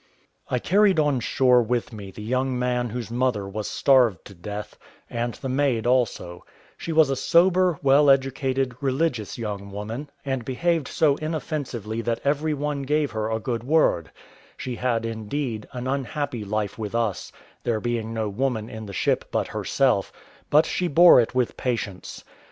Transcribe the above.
I carried on shore with me the young man whose mother was starved to death, and the maid also; she was a sober, well educated, religious young woman, and behaved so inoffensively that every one gave her a good word; she had, indeed, an unhappy life with us, there being no woman in the ship but herself, but she bore it with patience.